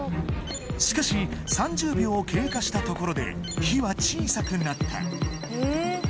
しかし３０秒を経過したところで火は小さくなった